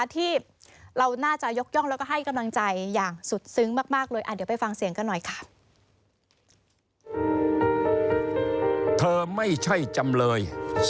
ที่เราน่าจะยกย่องแล้วก็ให้กำลังใจอย่างสุดซึ้งมากเลย